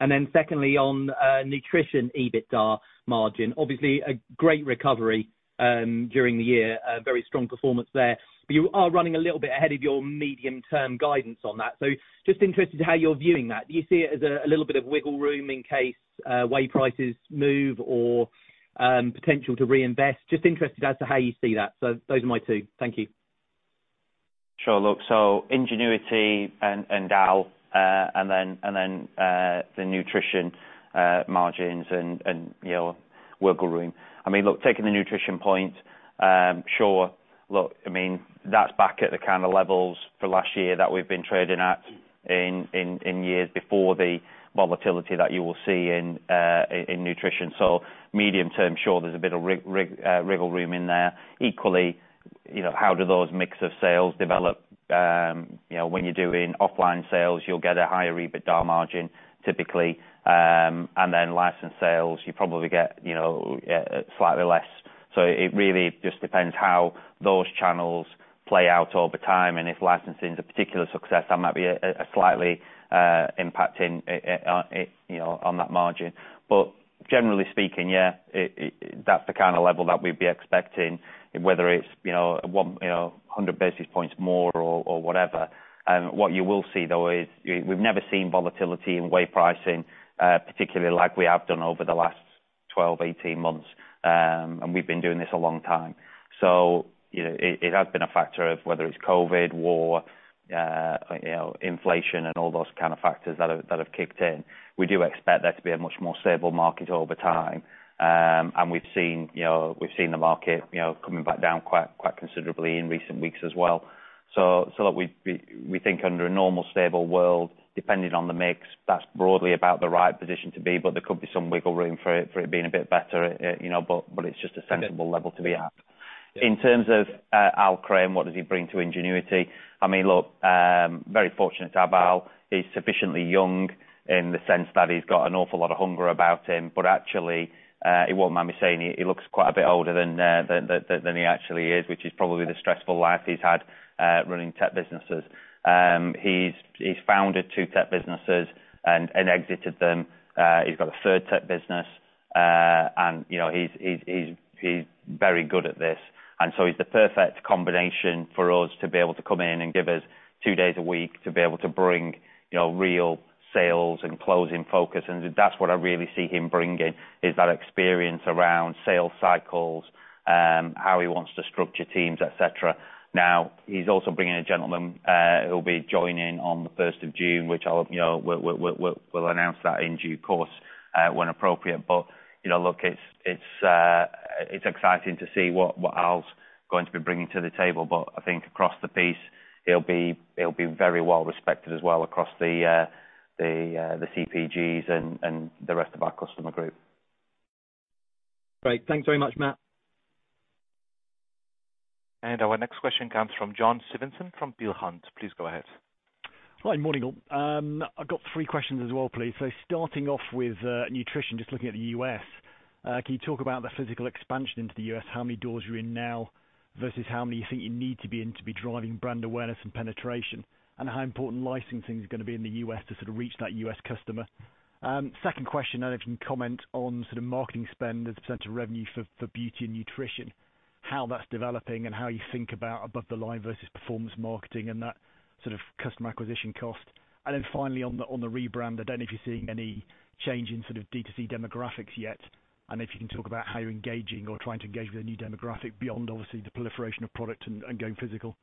And then secondly, on nutrition EBITDA margin. Obviously, a great recovery during the year, very strong performance there. But you are running a little bit ahead of your medium-term guidance on that. So just interested how you're viewing that. Do you see it as a little bit of wiggle room in case whey prices move or potential to reinvest? Just interested as to how you see that. So those are my two. Thank you. Sure. Look, so Ingenuity and DAL, and then the nutrition margins and, you know, wiggle room. I mean, look, taking the nutrition point, sure. Look, I mean, that's back at the kind of levels for last year that we've been trading at in years before the volatility that you will see in nutrition. So medium-term, sure, there's a bit of wiggle room in there. Equally, you know, how do those mix of sales develop? You know, when you're doing offline sales, you'll get a higher EBITDA margin, typically. And then license sales, you probably get, you know, yeah, slightly less. So it really just depends how those channels play out over time. And if licensing's a particular success, that might be a slightly impacting on, you know, on that margin. But generally speaking, yeah, it's the kind of level that we'd be expecting, whether it's, you know, 1, you know, 100 basis points more or whatever. What you will see, though, is we've never seen volatility in whey pricing, particularly like we have done over the last 12, 18 months. And we've been doing this a long time. So, you know, it has been a factor of whether it's COVID, war, you know, inflation, and all those kind of factors that have kicked in. We do expect there to be a much more stable market over time. And we've seen, you know, we've seen the market, you know, coming back down quite considerably in recent weeks as well. So, look, we'd be, we think under a normal, stable world, depending on the mix, that's broadly about the right position to be. But there could be some wiggle room for it being a bit better, you know, but it's just a sensible level to be at. In terms of Al Crane, what does he bring to Ingenuity? I mean, look, very fortunate to have Al. He's sufficiently young in the sense that he's got an awful lot of hunger about him. But actually, it won't mind me saying it looks quite a bit older than he actually is, which is probably the stressful life he's had, running tech businesses. He's founded two tech businesses and exited them. He's got a third tech business. And you know, he's very good at this. So he's the perfect combination for us to be able to come in and give us two days a week to be able to bring, you know, real sales and closing focus. And that's what I really see him bringing, is that experience around sales cycles, how he wants to structure teams, etc. Now, he's also bringing a gentleman, who'll be joining on the 1st of June, which I'll, you know, we'll announce that in due course, when appropriate. But, you know, look, it's exciting to see what Al's going to be bringing to the table. But I think across the piece, he'll be very well respected as well across the CPGs and the rest of our customer group. Great. Thanks very much, Matt. Our next question comes from John Stevenson from Peel Hunt, please go ahead. Hi, good morning, all. I've got three questions as well, please. So starting off with, nutrition, just looking at the U.S., can you talk about the physical expansion into the U.S., how many doors you're in now versus how many you think you need to be in to be driving brand awareness and penetration, and how important licensing's going to be in the U.S. to sort of reach that U.S. customer? Second question, I don't know if you can comment on sort of marketing spend as a % of revenue for, for beauty and nutrition, how that's developing and how you think about above-the-line versus performance marketing and that sort of customer acquisition cost. And then finally, on the on the rebrand, I don't know if you're seeing any change in sort of D2C demographics yet. I don't know if you can talk about how you're engaging or trying to engage with a new demographic beyond, obviously, the proliferation of product and going physical?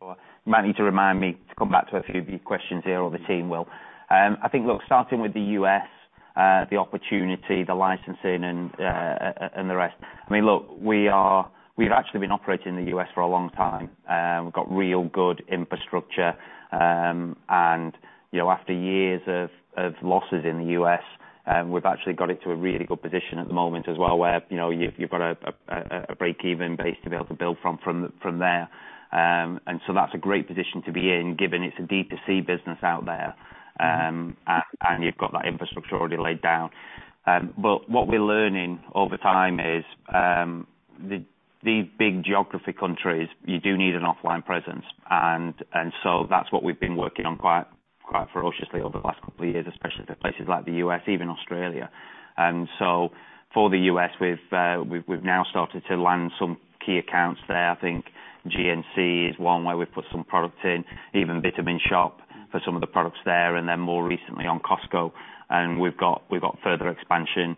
Sure. Matthew, to remind me to come back to a few of these questions here, or the team will. I think, look, starting with the U.S., the opportunity, the licensing, and the rest. I mean, look, we've actually been operating in the U.S. for a long time. We've got real good infrastructure. And, you know, after years of losses in the U.S., we've actually got it to a really good position at the moment as well where, you know, you've got a break-even base to be able to build from there. And so that's a great position to be in given it's a D2C business out there. And you've got that infrastructure already laid down. But what we're learning over time is, these big geography countries, you do need an offline presence. And so that's what we've been working on quite ferociously over the last couple of years, especially for places like the U.S., even Australia. So for the U.S., we've now started to land some key accounts there. I think GNC is one where we've put some product in, even Vitamin Shoppe for some of the products there, and then more recently on Costco. And we've got further expansion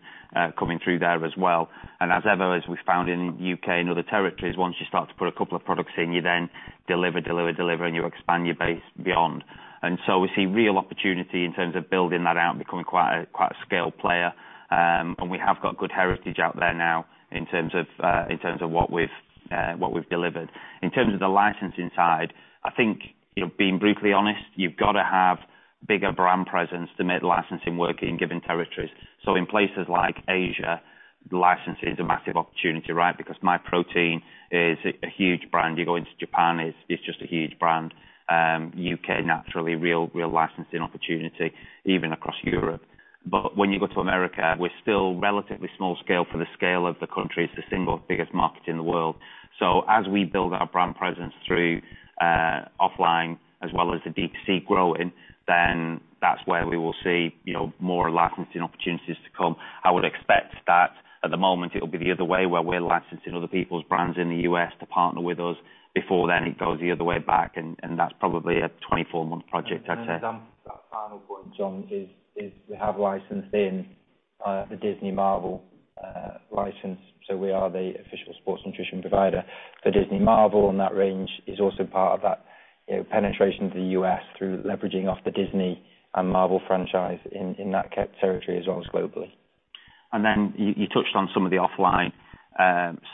coming through there as well. And as ever, as we found in the U.K. and other territories, once you start to put a couple of products in, you then deliver, deliver, deliver, and you expand your base beyond. And so we see real opportunity in terms of building that out, becoming quite a scale player. We have got good heritage out there now in terms of what we've delivered. In terms of the licensing side, I think, you know, to be brutally honest, you've got to have bigger brand presence to make licensing work in given territories. So in places like Asia, licensing's a massive opportunity, right, because Myprotein is a huge brand. You go into Japan, it's just a huge brand. U.K., naturally, real licensing opportunity, even across Europe. But when you go to America, we're still relatively small scale for the scale of the country. It's the single biggest market in the world. So as we build our brand presence through offline as well as the D2C growing, then that's where we will see, you know, more licensing opportunities to come. I would expect that at the moment, it'll be the other way where we're licensing other people's brands in the US to partner with us before then it goes the other way back. And, and that's probably a 24-month project, I'd say. Then that final point, John, is we have licensed in the Disney Marvel license. So we are the official sports nutrition provider for Disney Marvel. And that range is also part of that, you know, penetration to the U.S. through leveraging off the Disney and Marvel franchise in that tech territory as well as globally. You touched on some of the offline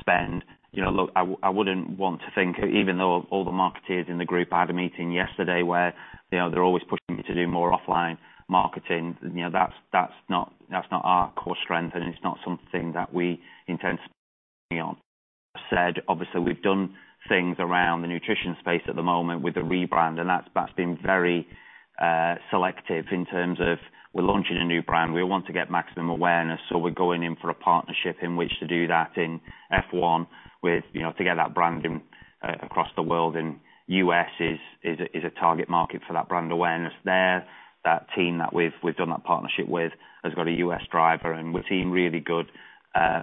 spend. You know, look, I wouldn't want to think even though all the marketers in the group had a meeting yesterday where, you know, they're always pushing me to do more offline marketing, you know, that's not our core strength, and it's not something that we intend to be on. Said, obviously, we've done things around the nutrition space at the moment with the rebrand, and that's been very selective in terms of we're launching a new brand. We want to get maximum awareness, so we're going in for a partnership in which to do that in F1 with, you know, to get that branding across the world. And the U.S. is a target market for that brand awareness there. That team that we've done that partnership with has got a U.S. driver, and we're seeing really good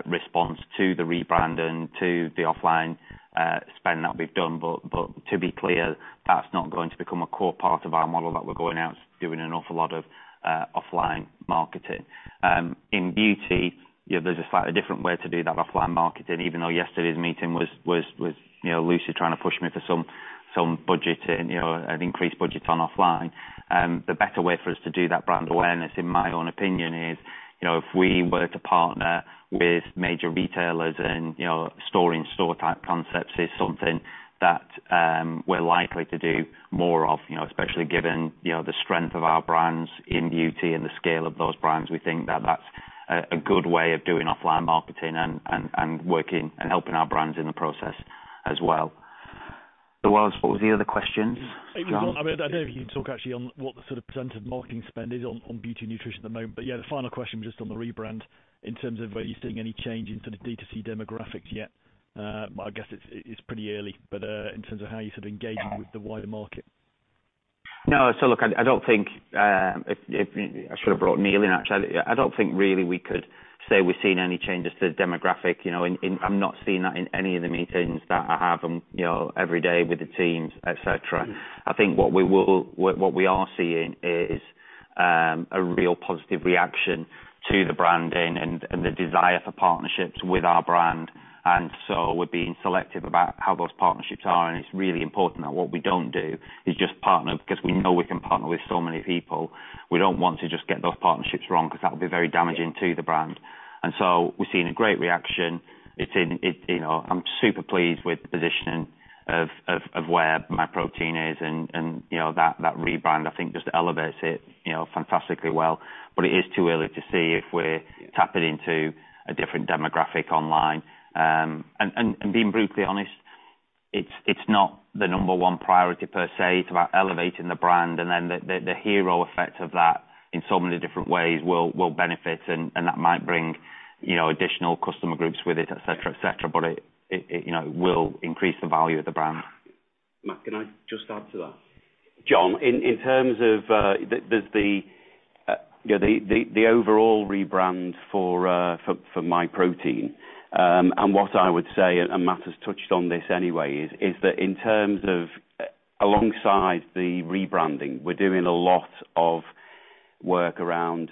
response to the rebrand and to the offline spend that we've done. But to be clear, that's not going to become a core part of our model that we're going out doing an awful lot of offline marketing. In beauty, you know, there's a slightly different way to do that offline marketing, even though yesterday's meeting was, you know, Lucy trying to push me for some budgeting, you know, an increased budget on offline. The better way for us to do that brand awareness, in my own opinion, is, you know, if we were to partner with major retailers and, you know, store-in-store type concepts is something that we're likely to do more of, you know, especially given, you know, the strength of our brands in beauty and the scale of those brands. We think that that's a good way of doing offline marketing and working and helping our brands in the process as well. So, what was the other question, John? I mean, I don't know if you can talk, actually, on what the sort of percent of marketing spend is on, on beauty and nutrition at the moment. But yeah, the final question was just on the rebrand in terms of whether you're seeing any change in sort of D2C demographics yet. I guess it's, it's pretty early, but, in terms of how you're sort of engaging with the wider market. No, so look, I don't think if I should have brought Neil in, actually. I don't think really we could say we've seen any changes to the demographic, you know, in. I'm not seeing that in any of the meetings that I have and, you know, every day with the teams, etc. I think what we are seeing is a real positive reaction to the branding and the desire for partnerships with our brand. And so we're being selective about how those partnerships are. And it's really important that what we don't do is just partner because we know we can partner with so many people. We don't want to just get those partnerships wrong because that'll be very damaging to the brand. And so we're seeing a great reaction. It's in it, you know. I'm super pleased with the positioning of where Myprotein is and, you know, that rebrand, I think, just elevates it, you know, fantastically well. But it is too early to see if we're tapping into a different demographic online. And being brutally honest, it's not the number one priority, per se, to elevating the brand. And then the hero effect of that in so many different ways will benefit. And that might bring, you know, additional customer groups with it, etc., etc. But it, you know, it will increase the value of the brand. Matt, can I just add to that? John, in terms of, you know, the overall rebrand for Myprotein. And what I would say, and Matt has touched on this anyway, is that alongside the rebranding, we're doing a lot of work around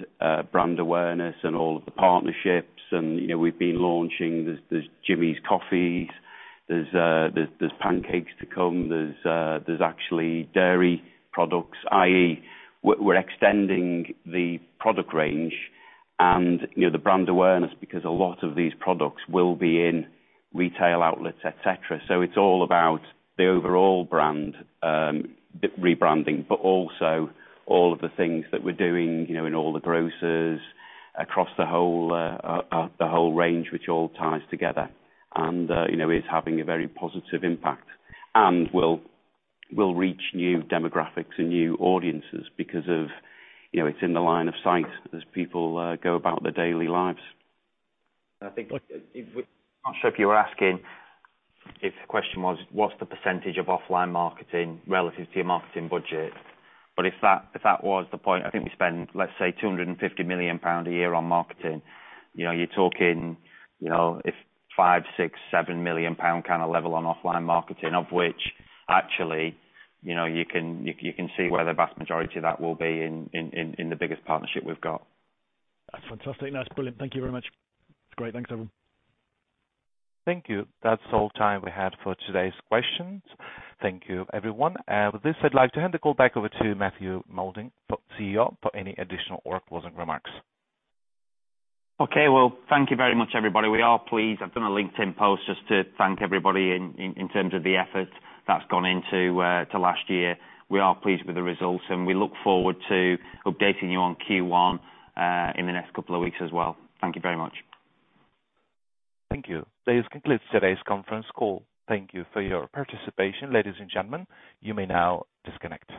brand awareness and all of the partnerships. And, you know, we've been launching Jimmy's Coffees. There's pancakes to come. There's actually dairy products, i.e., we're extending the product range and, you know, the brand awareness because a lot of these products will be in retail outlets, etc. So it's all about the overall brand rebranding, but also all of the things that we're doing, you know, in all the grocers across the whole range, which all ties together. And, you know, it's having a very positive impact and will, will reach new demographics and new audiences because of, you know, it's in the line of sight as people go about their daily lives. And I think if we I'm not sure if you were asking if the question was, "What's the percentage of offline marketing relative to your marketing budget?" But if that if that was the point, I think we spend, let's say, 250 million pound a year on marketing. You know, you're talking, you know, if 5 million pound, 6 million, 7 million pound kind of level on offline marketing, of which actually, you know, you can you, you can see where the vast majority of that will be in, in, in, in the biggest partnership we've got. That's fantastic. No, that's brilliant. Thank you very much. It's great. Thanks, everyone. Thank you. That's all time we had for today's questions. Thank you, everyone. With this, I'd like to hand the call back over to Matthew Moulding, CEO, for any additional or closing remarks. Okay. Well, thank you very much, everybody. We are pleased. I've done a LinkedIn post just to thank everybody in terms of the effort that's gone into last year. We are pleased with the results, and we look forward to updating you on Q1 in the next couple of weeks as well. Thank you very much. Thank you. This concludes today's conference call. Thank you for your participation, ladies and gentlemen. You may now disconnect.